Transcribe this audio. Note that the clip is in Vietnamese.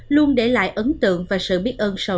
luôn để lại ấn tượng và sự biết ơn